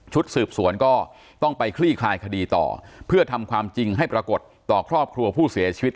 สืบสวนก็ต้องไปคลี่คลายคดีต่อเพื่อทำความจริงให้ปรากฏต่อครอบครัวผู้เสียชีวิต